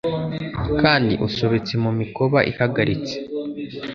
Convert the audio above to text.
kandi usobetse mu mikoba ihagaritse